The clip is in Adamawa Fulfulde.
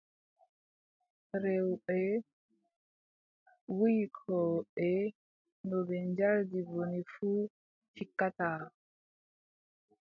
Rewɓe wuykooɓe, no ɓe njardi bone fuu, tikkataa.